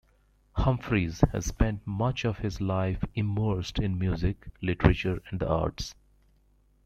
Humphries has spent much of his life immersed in music, literature and the arts.